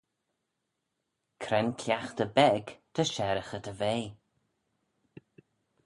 Cre'n cliaghtey beg ta shareaghey dty vea?